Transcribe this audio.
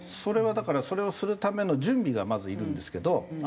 それはだからそれをするための準備がまずいるんですけど。